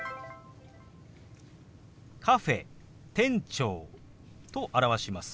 「カフェ」「店長」と表します。